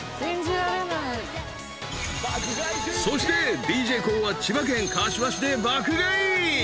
［そしてＤＪＫＯＯは千葉県柏市で爆買い］